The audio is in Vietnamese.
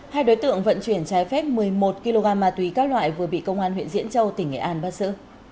hai đối tượng vận chuyển trái phép một mươi một kg ma túy các loại vừa bị công an huyện diễn châu tỉnh nghệ an bắt giữ